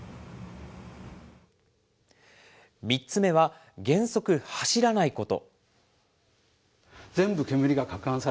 ３つ目は原則走らないこと。